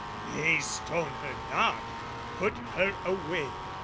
"Nay, stone her not, "Put her away!"